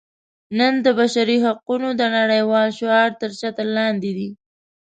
نن د بشري حقونو د نړیوال شعار تر چتر لاندې دي.